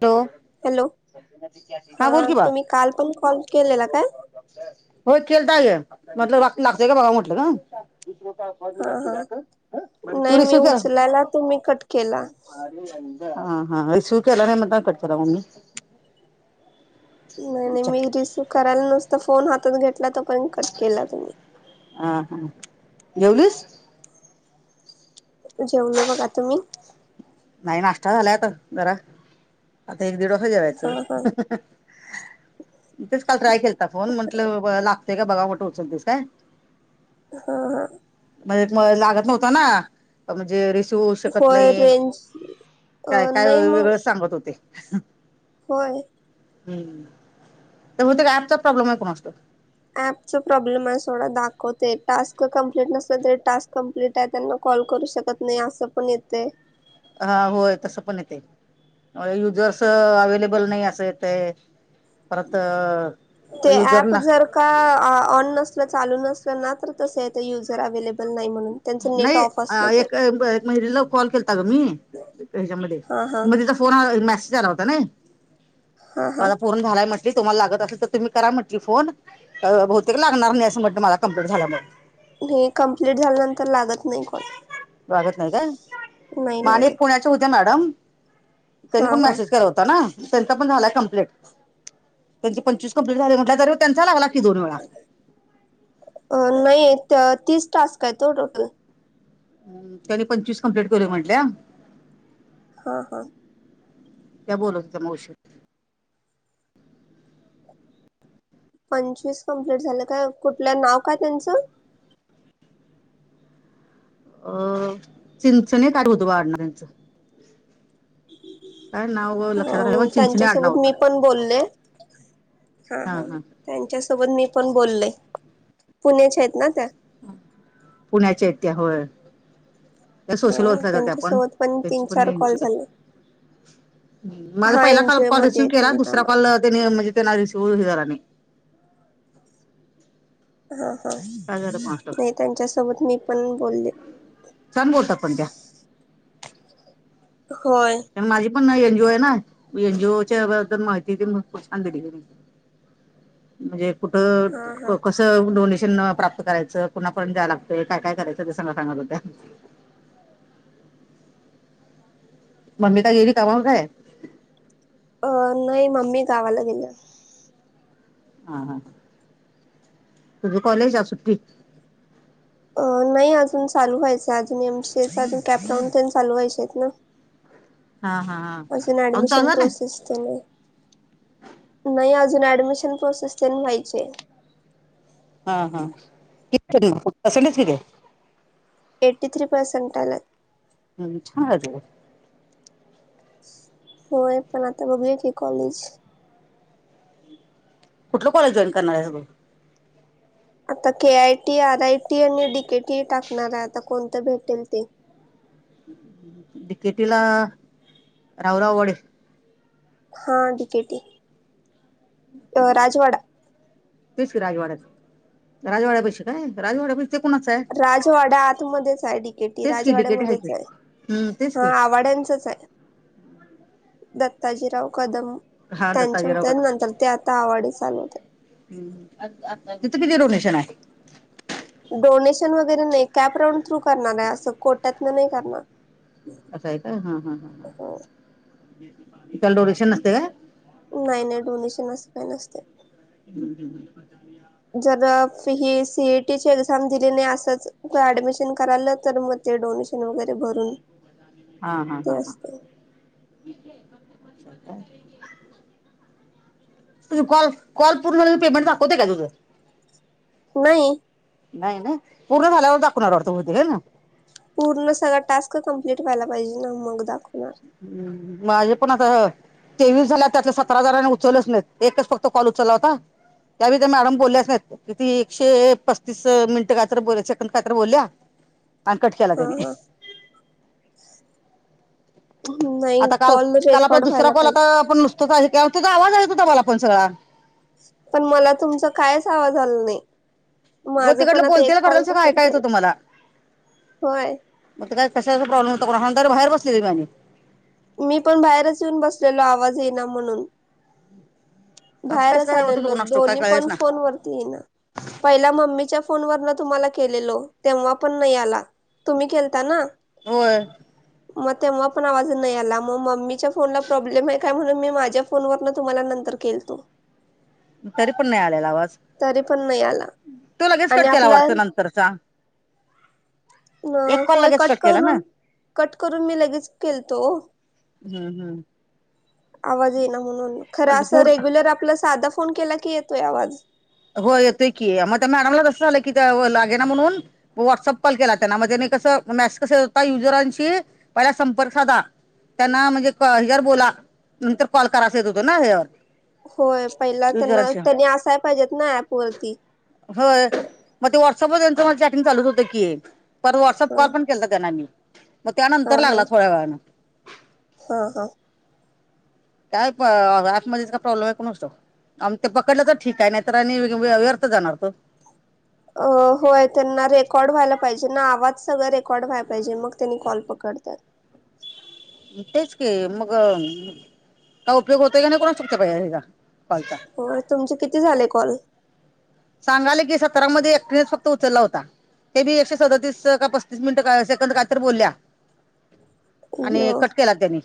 तो हॅलो, हा तुम्ही काल पण कॉल केल्याला काय? होय केलता की म्हटलं लाग लागतोय का बघाव म्हटलं ग ह ह नाही मी केला उचलायला तुम्ही कट केला. हा हा रिसीव्ह केला नाही म्हणताना कट केला ओ मी. नाही नाही अच्छा मी रिसिव्ह करायला नुसता फोन हातात घेतला तोपर्यंत कट केला तुम्ही. हा हा, जेवलीस? जेवलो बघा तुम्ही? नाही नाश्ता झाला आता जरा आता एक दीड वाजता जेवायचं. हा हा [inaudible] तेच काल ट्राय केलता फोन म्हटलं लागतोय का बघाव म्हटलं उचलतीस काय? ह ह! म्हणजे म लागत नव्हत ना म्हणजे रिसिव्ह होऊ शकत होय नाही रेंज अ काय काय नाही मग वेगळंच सांगत होते. होय. हम्म त्यामुळं तो ॲपचा प्रॉब्लेम आहे का कुणास ठाऊक ऍप्पचा प्रॉब्लेम आहे सोडा दाखवते टास्क कंप्लीट नसल ते टास्क कंप्लीट आहे त्यांना कॉल करू शकत नाही असं पण येतय हा होय तसं पण येते. अ युजर्स अवेलेबल नाही असे येते. परत ते युजर ऍप ना जर का ऑन नसल चालू नसल ना तर तस युजर अव्हेलेबल नाही म्हणून. त्यांचं नेट नाही ऑफ अ असलं तर एक महिलेला कॉल केलता ग मी त्याच्यामध्ये हा हा मग तिचा फोन मेसेज आला होता नाही. हा हा माझा पूर्ण झालाय म्हण्ट ली तुम्हाला लागत असेल तर तुम्ही करा म्हटली, फोन बहुतेक लागणार नाही अस म्हट मला कंप्लीट झाल्यामुळे. हे कंप्लीट झाल्यानंतर लागत नाही कॉल लागत नाही काय नाही म आणि एक लागत पुण्या च्या होत्या मॅडम त्यांनी हा पण हा मेसेज केला होता ना. त्यांचा पण झालाय कंप्लीट त्यांची पंचवीस कंप्लीट झाली म्हटलं तरी त्यांचा लागला की दोन वेळा अ नाही तीस टास्क आहेत ओ टोटल. त्यांनी पंचवीस कंप्लीट केलोय म्हंटल्या. हा हा! त्या बोलत होत्या मावशी. पंचवीस कंप्लीट झालं का कुठलं नाव काय तेंच? अ चिंचने काय होत व आडनाव तेंच. काय नाव लक्षात राहाय पण ह चिंचणे त्यांच्या आडनाव सोबत होतं मी पण बोलले. हा हा त्यांच्यासोबत मी पण बोलले पुण्याच्या आहेत ना त्या? पुण्याच्या आहेत त्या होय. त्या सोशल ह वर्कर आहेत त्या पण त्यांच्यासोबत तीन त्यांची पण चार कॉल इन्शुरन्स झाले माझा हा पहिला एनजीओ कॉल मध्ये रिसिव्ह आहेत केला, त्याने दुसरा कामाला कॉल त्यानी म्हणजे त्यांना रिसिव्ह हे झाला नाही. हा हा काय झालं कोणास ठाऊक नाही त्यांच्यासोबत मी पण बोलले. छान बोलतात पण त्या. होय. कारण माझी पण एनजीओ आहे ना. एनजीओच्या बद्दल माहिती पण छान दिली. म्हणजे कुठ हा हा कस च डोनेशन प्राप्त करायच. पुन्हा पण जाय लागत. काय काय करायच ते सगळ सांगत होत्या. मम्मी का गेली कामावर काय? अ नाही मम्मी गावाला गेली. हा हा तुझे कॉलेज आहे सुट्टी नाही अजून चालू व्हायच आहे. अजून एमसी ए अजून कॅपडाऊन चालू व्हायचे आहेत ना. हा हा हा अजून चालू ऍडमिशन झालं नाही? प्रोसेस ते नाही. नाही अजून ऍडमिशन प्रोसेस तेन व्हायचीय. [unintelligible] एटी थ्री पर्सेंट आल. [unintelligible] होय पण आता बघू की कॉलेज कुठल कॉलेज जॉयईन करणार आहे. आता K I T, R I T, आणि डीकेटी टाकणार आहे. आता कोणत भेटेल ते. ती केटीला राऊराव वडेल हा डीकेटी अ राजवाडा तेच की राजवाडा राजवाडा पशी काय? राजवाडा प ते कुणाच आहे. राजवाडा आतमध्येच आहे डिकेटी. तेच की डिकेटी हाय की. राजवाड्यामध्येच आहे. हम्म तेच हा की आवड्यांचच आहे. दत्ताजीराव कदम हा त्यांच्या दत्ताजीराव त्या कदम नंतर ते आता आवडी चालवते. तिथ किती डोनेशन आहे. डोनेशन वगैरे नाही. कॅप रांऊड थ्रू करणार आहे. अस कोट्यातन नाही करणार. अस आहे का. हा हा ह ह त्याला डोरेशन नसते काय? नाही नाही डोनेशन अस काही नसत. [inaudible] जर ही सीएटीची एक्झाम दिली नाही असच ऍडमिशन कराल तर मग ते डोनेशन वगैरे भरून हा हा ते हा हा. असते. [unintelligible] तुझ कॉल कॉल पूर्ण पेमेंट दाखवते का तुझ. नाही. नाही ना. पूर्ण झाल्यावर दाखवणार बहुतेक ना? पूर्ण सगळा टास्क कंप्लीट व्हायला पाहिजे ना मग दाखवणार. हम्म माझेपण आता तेवीस झाला त्यातल्या सतरा जनांनी उचललाच नाही. एकच फक्त कॉल उचलला होता. त्या विथ मॅडम बोलल्याच नाहीत. किती एकशे पस्तीस मिनिटं कायत बोला सेक काहीतरी बोलल्या. आणि कट केला हा त्याने. हा नाही आता काल कॉल काल आपला रेकॉर्ड दुसरा व्हायला कॉल आता पाहिजे आपण नुसताच तुझा आवाज ऐकू येत होता मला पण सगळा. पण मला तुमचा कायच आवाज आल नाही. गो माझं पण तिकडनं आता बोलते एक कॉल [unintelligible] काय कसल केलं ऐकायचं तुम्हाला. होय मग काही कशाचा प्रॉब्लेम होतं [unintelligible] बाहेर बसलेली माने. मी पण बाहेरच येऊन बसलेलो आवाज येई ना म्हणून. कसं बाहेरच कसं काय होत होतं आलेलो कोणास ठाऊक काय दोन्ही कळेच पण ना फोन वरती येई ना. पहिला मम्मीच्या फोन वरनं तुम्हाला केलेलो तेव्हा पण नाही आला. तुम्ही केलता ना. होय. म तेव्हा पण आवाज नाही आला म मम्मीच्या फोनला प्रोब्लेम आहेत काय म्हणून मी माझ्या फोन वरनं तुम्हाला नंतर केलतो. तरी पण नाही आलेला आवाज तरी पण नाही आला तू लगेच आणि कट केला आपला वाटतो अ नंतरचा. न एक कॉल होय लगेच कट केला ना करून कट करून मी लगेच केलतो. हम्म हम्म. आवाज ये ना म्हणून खरं म्हणजे असं पूर्ण रेग्युलर आपला सादा फोन केला की येतोय आवाज. हो येतोय की मग त्या मॅडमला तसं झालं की त्या व लागे ना म्हणून. व्हॉट्सअप कॉल केला त्यांना म त्यांनी कसं मॅस कसं होता युजरांशी पहिला संपर्क साधा. त्यांना म्हणजे क ह्याच्यावर बोला नंतर कॉल करायच येत होतो ना ह्यावर. होय पहिला त्यांना युजरांशी त्यांनी असाय पाहिजेत ना ऍप वरती. होय म ते व्हॉट्सअप वर त्यांचं चॅटिंग म चालू होतं की. तर व्हॉट्सअप हा कॉल पण केला त्यांना मी म हा त्यानंतर लागला हा थोड्या वेळानं. हा हा. काय प अगं ऐपमध्येच का प्रॉब्लेम आहे को नसतो. आम ते पकडलं तर ठीक आहे नाही तर आणि व व्य व्यर्थ जाणार तो. अ होय त्यांना रेकॉर्ड व्हायला पाहिजे ना आवाज सगळं रेकॉर्ड व्हाय पाहिजे मग त्यांनी कॉल पकडतात. तेच की मगं का उपयोग होतोय काय नाही कोणाचा ठाऊक [unintelligible] पालता. होय तुमचे किती झाले कॉल? सांगायले की सतरामध्ये एकटिने फक्त उचलला होता. ते बी एकशे सदौतीस का पस्तीस मिनटं काय सेकंद काही तरी बोलल्या आणि यो कट केला त्यांनी.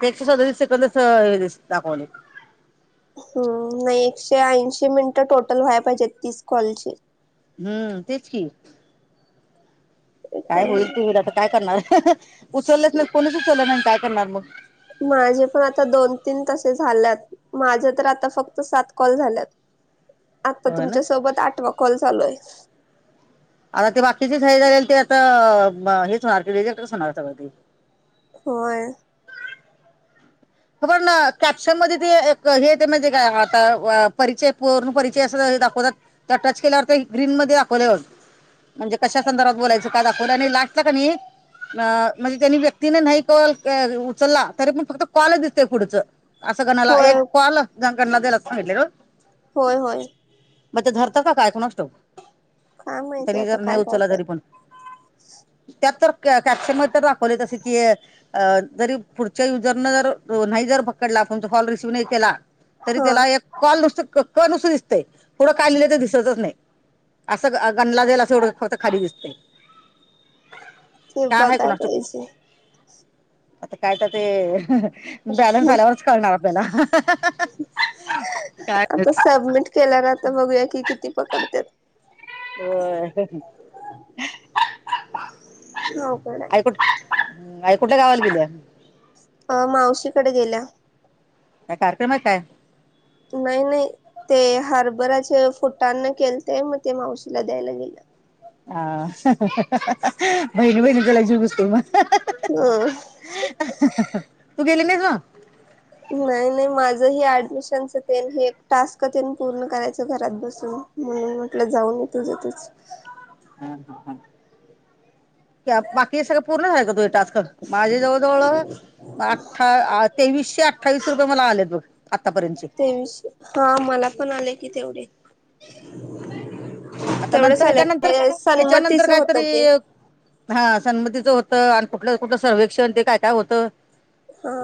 ते एकशे सदौतीस सेकंदच दाखवले. हम्म नाही एकशे ऐंशी मिनिटं टोटल व्हाय पाहिजेत तीस कॉलची. हम्म तेच की. काय होईल रेकॉर्डिंग ती वर आता काय करणार उचललंच नाही कोणीच उचललं नाही काय करणार मग. माझे पण आता दोन-तीन तसे झाल्यात. माझं तर आता फक्त सात कॉल झाल्यात. आता होय ना तुमच्यासोबत आठवा कॉल चालू आहे. आता ते बाकीची [unintelligible] ते आता अ ब हेच मारती रिजेक्टच होणार सगळं ती. होय. तो पणं कॅप्शन मध्ये ते एक हे ते म्हणजे काय आता व परिचय पूर्ण परिचय असं हे दाखवतात. त्या टच केल्यावर ते ग्रीन मध्ये दाखवल्या हो. म्हणजे कशा संदर्भात बोलायचं काय दाखवलं नाही लागतं का नी म म्हणजे त्यांनी व्यक्तीने नाही कॉल अ उचलला तरी पण फक्त कॉल दिसते पुढचं असं कणाला होय एक कॉल जगणला द्यायला सागितलं गं. होय होय. मग ते धरतं का काय कोणाच ठाऊक काय माहिती त्यांनी आता जर नाही काय उचलला करतात तरी पण. त्यात तर कॅपशन म दाखवले तस की जरी पुढच्या युजर. र पकडला कॉल रसव केला तरी हा त्याला एक. कॉल नुसत क नुसत दिसतय थोडं काय लिहिलंय तर दिसतच नाही. असं गणला जाला असवढं फक्त खाली दिसतय. हा [inaudible] काय आहे कोणाचू ठाऊक आता काय तर ते. बॅलन्स आल्यावरच कळणार आपल्याला. आता कायच सबमिट केल्या आता बघूया किती पकडत्यात. होय हाईत. अवघड आहे कुठ आई कुठे गावाला गेल्या. अ मावशीकडे गेल्या. काय कार्यक्रम काय. नाही नाही ते हार्बराच्या फूटांने केलं ते मग ते मावशीला द्यायला गेलं. हा बहिणी बहिणी लय जीव दिसतील मग. ''हं'' तू गेली नाहीस मग. नाही नाही माझ ह ऍडमिशनच ते हे एक टास्क ते पूर्ण करायचं घरात बसून. म्हणून म्हटलं जाऊन येतुझेतच. ह ह क्या बाकी सगळं पूर्ण झाले का तूजे टास्क. क माझे जवळ जवळ अठठा तेवीसशे आठ. अ्ठवीस रुपये मला आले बघ आत्तापर्यंतचे. तेवीशे हा मला पण आले की तेवढे. आता नंतर तेवढेच आलेत ह्याच्यानंतर ते ह्याच्यानंतर सन्मतीच होत कायतरी. ते हा सन्मतीचं होतं आणि कुठलं कुठं सर्वेक्षण ते काय काय होतं. हा,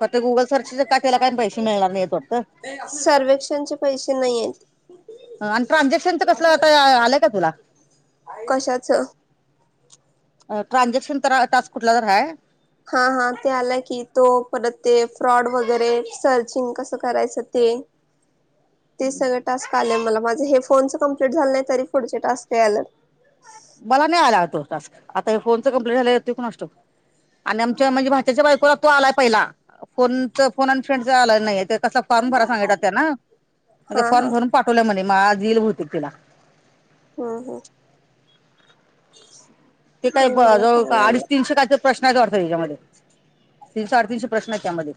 तर ते गुगल सर्च टा का त्याला काही पैसे मिळणार नाही वाटत. सर्वेक्षणचे पैसे नाहीयेत. आणि ट्रान्झॅक्शनच कसलं आता आलंय का तुला. कशाच. ट्रान्झॅक्शन तर टास्क कुठला तर आहेय. हा हा ते आलं की तो परत ते फ्रॉड वगैरे सर्चिंग कसं करायचं ते. ते सगळ टास्क आले मला माझ हे फोनच कम्प्लीट झालं नाही तरी पुढचे टास्क या आल्यात. मला नाही आला तो तासक आता हे फोनच कंप्लेट झालेला येतोय कुणास ठाऊक. आणि आमच्या म्हणजे भाच्याच्या बायकोला तो आलाय पहिला. फोनच फोन आणि फ्रेंड आला नाही तर कसा. फॉर्म भरा सांगात त्या ना ते हा हा फॉर्म भरून पाठवल्या म्हणे म आजल भतेक तिला. हा हा, ते काय नाही पा मला जवळ कळला नाही अडीच तीनशे काय तर. प्रश्न आहेत वाटतं याच्यामध्ये तीनशे साडेतीनशे प्रश्न आहेत त्यामध्ये.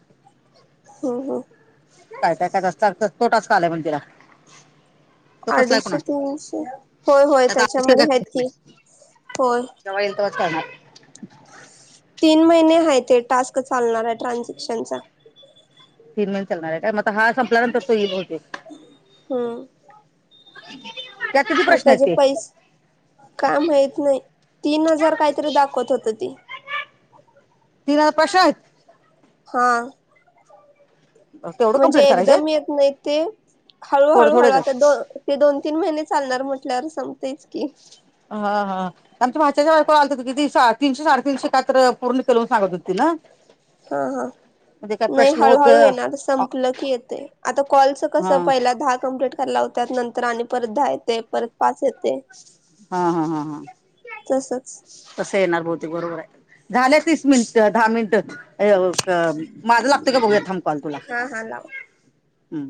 हम्म हम् काय काय काय तसत तो टास्क आलाय म्हण तिला. तो कसला कोण अडीचशे असतो तीनशे होय होय त्याचा अभ्यास त्याच्यामध्ये आहेत की होय. केव्हा येईल तेव्हाच कळणार. तीन महिने ह ते टास्क चालणार आहे ट्रान्झॅक्शनचा. तीन महिने चालणार आहे काय मग हा संपल्यानंतर तोईल बहुतेक. हम. ह [inaudible] तर त्याचे पैसे काम माहित नाही तीन हजार काहीतरी दाखवत होत ते. तीन पाचशे आहेत. हा, तेवढं म्हणजे कंप्लीट करायचे एकदम येत नाही ते थोडे हळूहळूहळू थोडेच आहेत. आता दोन. हे दोन तीन महिने चालणार म्हटल्यावर सपतेयच की. हा हा, आमच्या भाच्या बायको आलत हो कीती तीनशे साडेतीनशे काय तर पूर्ण केलं म्हणून सांगत होती ना. हा हा, म्हणजे काय नाही प्रश्न होत हळूहळू येणार हा संपलं की येते आता कॉलच कस हा पहिला दहा कमप्लीट. करायला नंतर आणि परत दहा येते. परत पाच येते हा तसच. तस येणार बहुतेक बरोबर आहे झाले तीस मिनिट दहा मिनिट. त ये व हा माझं लागत का बघूया थांब कॉल तुला हा हा लाव हं.